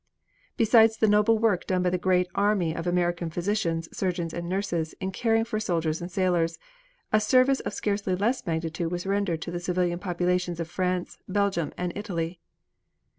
Besides the noble work done by the great army of American physicians, surgeons and nurses, in caring for soldiers and sailors, a service of scarcely less magnitude was rendered to the civilian populations of France, Belgium and Italy.